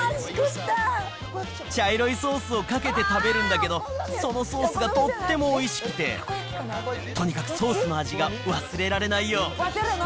茶色いソースをかけて食べるんだけど、そのソースがとってもおいしくて、とにかくソースの味が忘れられないよ。